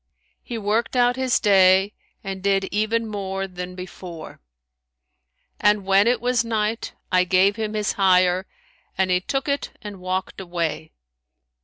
he worked out his day and did even more than before; and when it was night, I gave him his hire, and he took it and walked away.